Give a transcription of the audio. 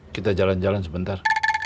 kita jalan jalan sebentar